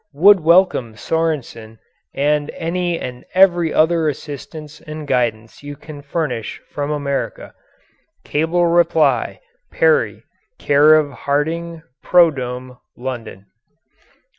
Would welcome Sorensen and any and every other assistance and guidance you can furnish from America. Cable reply, Perry, Care of Harding "Prodome," London.